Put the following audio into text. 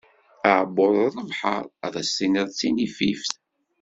Aɛebbuḍ d lebḥar, ad as-tiniḍ d tinifift.